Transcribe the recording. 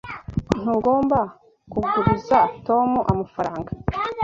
Ntugomba kuguriza Tom amafaranga.